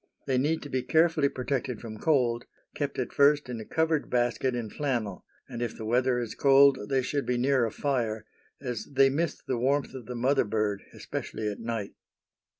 They need to be carefully protected from cold, kept at first in a covered basket in flannel, and if the weather is cold they should be near a fire, as they miss the warmth of the mother bird, especially at night.